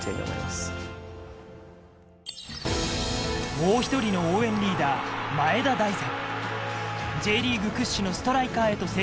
もう１人の応援リーダー、前田大然。